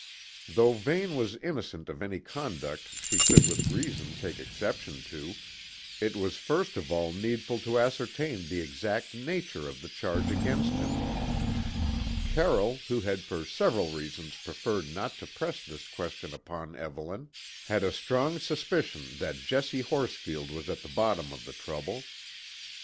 Though Vane was innocent of any conduct she could with reason take exception to, it was first of all needful to ascertain the exact nature of the charge against him. Carroll, who had for several reasons preferred not to press this question upon Evelyn, had a strong suspicion that Jessie Horsfield was at the bottom of the trouble.